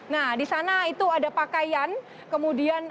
nah di sana itu ada pakaian kemudian